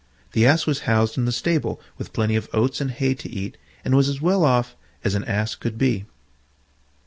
The Ass was housed in the stable with plenty of oats and hay to eat and was as well off as an ass could be.